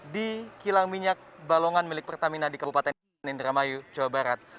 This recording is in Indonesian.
di kilang minyak balongan milik pertamina di kabupaten indramayu jawa barat